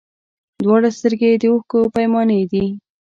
دواړي سترګي یې د اوښکو پیمانې دي